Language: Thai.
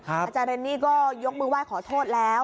อาจารย์เรนนี่ก็ยกมือไหว้ขอโทษแล้ว